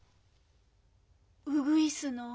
うぐいすの。